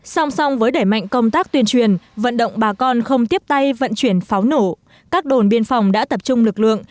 song song với đẩy mạnh công tác tuyên truyền vận động bà con không tiếp tay vận chuyển pháo nổ các đồn biên phòng đã tập trung lực lượng